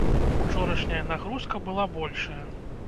Учорашняя нагрузка была большая.